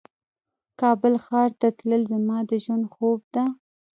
کابل ښار ته تلل زما د ژوند خوب ده